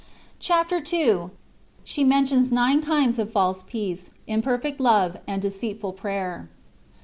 CHAPTER II. SHE MENTIONS NINE KINDS OF FALSE PEACE, IMFEBFBCT LOVE, AND DECEITFUL PBATEB.